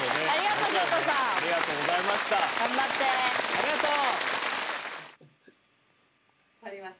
ありがとう！